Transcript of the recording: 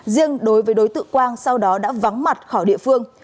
riêng đối với đối tượng quang sau đó đã vắng mặt khỏi địa phương